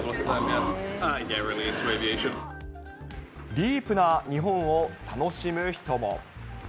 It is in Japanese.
ディープな日本を楽しむ人も。